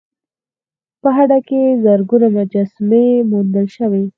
په هډه کې زرګونه مجسمې موندل شوي